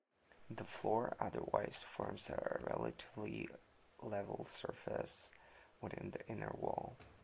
The floor otherwise forms a relatively level surface within the inner wall.